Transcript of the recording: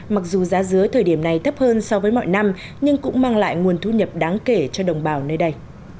mặc dù giá dứa thời điểm này thấp hơn so với mọi năm nhưng cũng mang lại nguồn thu nhập đáng kể cho đồng bào nơi đây